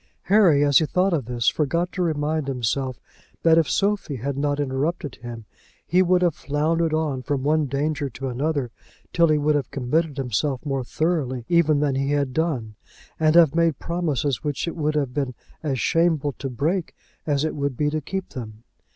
Harry, as he thought of this, forgot to remind himself that if Sophie had not interrupted him he would have floundered on from one danger to another till he would have committed himself more thoroughly even than he had done, and have made promises which it would have been as shameful to break as it would be to keep them.